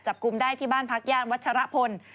จับกลุ่มได้ที่บ้านพักย่านวัชรพล